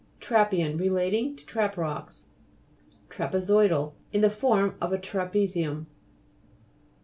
TRA'PPEAN Relating to trap rocks. TRAPEZOIDAL In form of a trape zium.